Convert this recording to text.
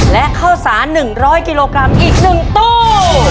และข้าวสาร๑๐๐กิโลกรัมอีก๑ตู้